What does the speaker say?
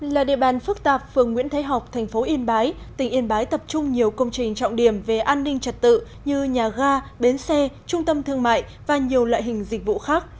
là địa bàn phức tạp phường nguyễn thái học thành phố yên bái tỉnh yên bái tập trung nhiều công trình trọng điểm về an ninh trật tự như nhà ga bến xe trung tâm thương mại và nhiều loại hình dịch vụ khác